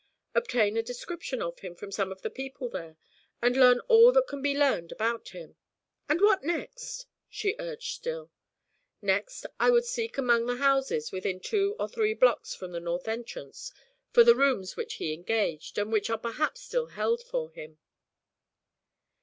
'Obtain a description of him from some of the people there, and learn all that can be learned about him.' 'And what next?' she urged still. 'Next, I would seek among the houses within two or three blocks from the north entrance for the rooms which he engaged, and which are perhaps still held for him.'